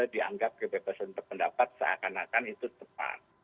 dianggap kebebasan berpendapat seakan akan itu tepat